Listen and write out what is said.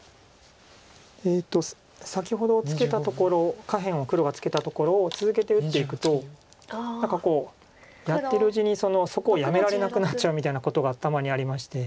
えっと先ほどツケたところ下辺を黒がツケたところを続けて打っていくと何かこうやってるうちにそこをやめられなくなっちゃうみたいなことがたまにありまして。